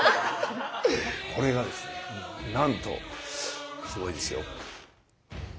これがですねなんとすごいですよ。